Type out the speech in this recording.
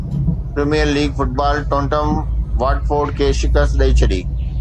premier league football Tottenham Watford کي شڪست ڏئي ڇڏي